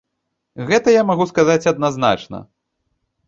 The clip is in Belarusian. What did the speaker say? Гэта я магу сказаць адназначна!